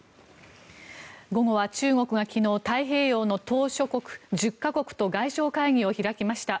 午後は中国が昨日太平洋の島しょ国１０か国と外相会議を開きました。